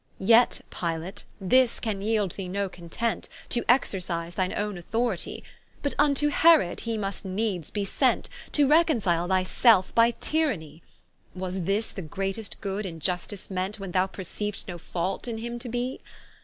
Yet Pilate, this can yeeld thee no content, To exercise thine owne authoritie, But vnto Herod he must needs be sent, To reconcile thy selfe by tyrannie, Was this the greatest good in Iustice meant When thou perceiu'st no fault in him to be?